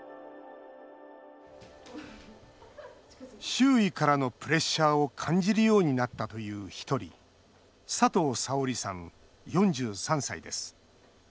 周囲からのプレッシャーを感じるようになったという一人佐藤沙織さん、４３歳です。